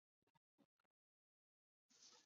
膜荚见血飞是豆科云实属的植物。